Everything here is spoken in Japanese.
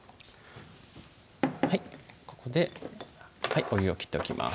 ここでお湯を切っておきます